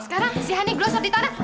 sekarang si honey glosor ditanam